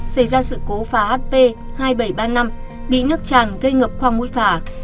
xảy ra sự cố phà hp hai nghìn bảy trăm ba mươi năm bị nước chàn gây ngập khoang mũi phà